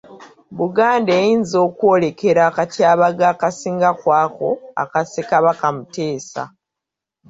Buganda eyinza okwolekera akatyabaga akasinga ku ako aka Ssekabaka Muteesa.